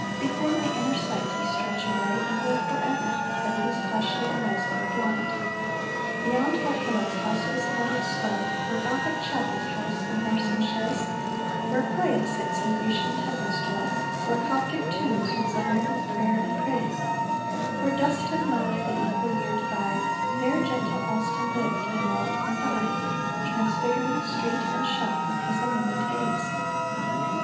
Before my inner sight ye stretch away, And will forever, though these fleshly eyes grow blind. Beyond that hillock's house bespotted swell, Where Gothic chapels house the horse and chaise, Where quiet cits in Grecian temples dwell, Where Coptic tombs resound with prayer and praise, Where dust and mud the equal year divide, There gentle Allston lived, and wrought, and died, Transfiguring street and shop with his illumined gaze.